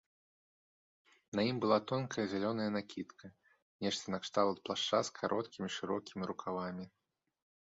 На ім была тонкая зялёная накідка, нешта накшталт плашча з кароткімі шырокімі рукавамі.